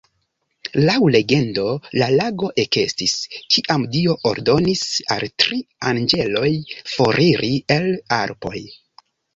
Laŭ legendo la lago ekestis, kiam Dio ordonis al tri anĝeloj foriri el Alpoj.